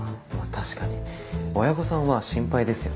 確かに親御さんは心配ですよね。